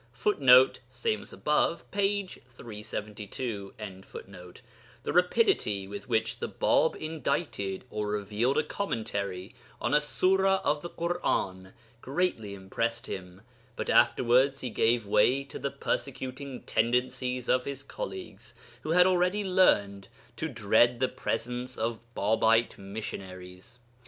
[Footnote: Ibid. p. 372.] The rapidity with which the Bāb indited (or revealed) a commentary on a sura of the Ḳur'an greatly impressed him, but afterwards he gave way to the persecuting tendencies of his colleagues, who had already learned to dread the presence of Bābite missionaries.